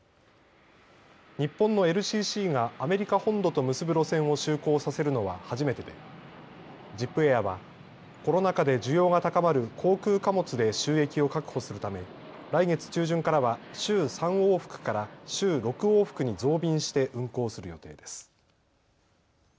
日本のＬＣＣがアメリカ本土と結ぶ路線を就航させるのは初めてでジップエアはコロナ禍で需要が高まる航空貨物で収益を確保するため来月中旬からは週３往復から週６往復に増便して運航する予定です。